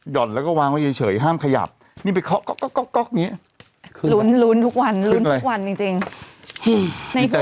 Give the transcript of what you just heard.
ลุนทุกวันเฮ้ด้วยลุงที่